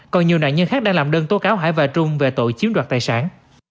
còn nhiều nạn nhân khác đang làm đơn tố cáo hải và trung về tội chiếm đoạt tài sản